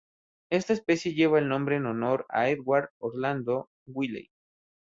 Esta especie lleva el nombre en honor a Edward Orlando Wiley.